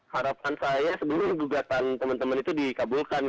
harapan saya sebelum gugatan teman teman itu dikabulkan